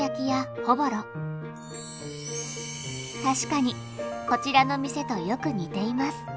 確かにこちらの店とよく似ています。